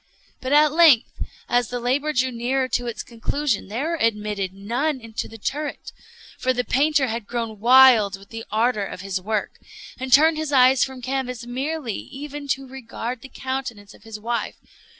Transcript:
But at length, as the labor drew nearer to its conclusion, there were admitted none into the turret; for the painter had grown wild with the ardor of his work, and turned his eyes from canvas merely, even to regard the countenance of his wife.